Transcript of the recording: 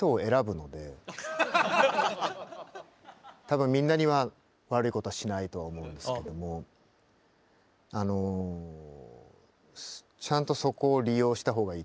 多分みんなには悪いことはしないと思うんですけどもあのちゃんとそこを利用した方がいいと思います。